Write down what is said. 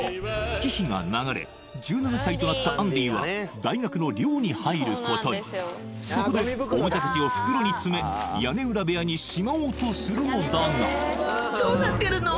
月日が流れ１７歳となったアンディは大学の寮に入ることにそこでおもちゃたちを袋につめ屋根裏部屋にしまおうとするのだがどうなってるの！？